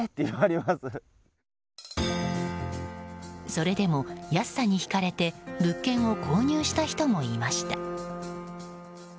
それでも、安さに引かれて物件を購入した人もいました。